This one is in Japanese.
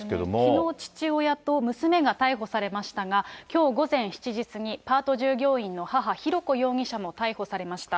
きのう、父親と娘が逮捕されましたが、きょう午前７時過ぎ、パート従業員の母、浩子容疑者も逮捕されました。